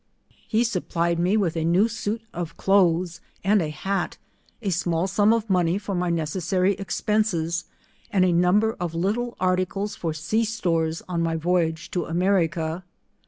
He supplied me with a new suit of clothes, and a hat, a small sum of money for my necessary expences, and a number of little articles for sea stores on my voyage to America.